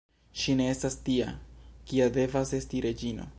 Ŝi ne estas tia, kia devas esti reĝino.